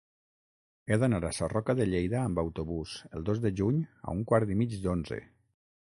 He d'anar a Sarroca de Lleida amb autobús el dos de juny a un quart i mig d'onze.